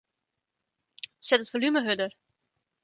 Set it folume hurder.